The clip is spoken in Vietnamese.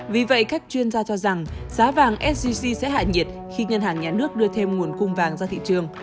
vì vậy các chuyên gia cho rằng giá vàng sgc sẽ hạ nhiệt khi ngân hàng nhà nước đưa thêm nguồn cung vàng ra thị trường